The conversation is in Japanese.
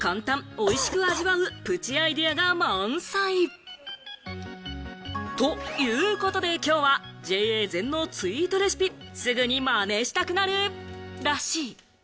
美味しく味わう！プチアイデアが満載。ということで、きょうはＪＡ全農ツイートレシピ、すぐにまねしたくなるらしい。